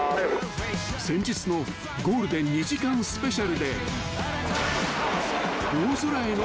［先日のゴールデン２時間スペシャルで大空への］